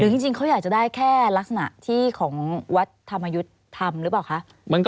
จริงเขาอยากจะได้แค่ลักษณะที่ของวัดธรรมยุทธ์ทำหรือเปล่าคะ